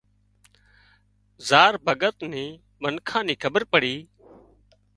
زار ڀڳت نِي منکان نين کٻيرپڙِي